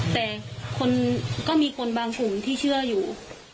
แต่คนก็มีคนบางกลุ่มที่เชื่ออยู่